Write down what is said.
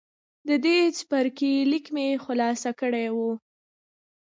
د دې څپرکي ليکل مې خلاص کړي وو.